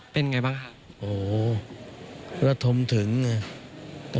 เป็นไงบ้างค่ะโอ้โหรัฐมถึงน่ะ